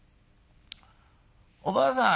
おばあさん